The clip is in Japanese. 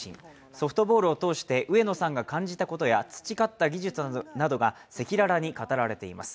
ソフトボールを通して上野さんが感じたことや培った技術などが赤裸々に語られています。